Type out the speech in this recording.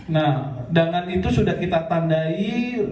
nah dengan itu sudah kita tandai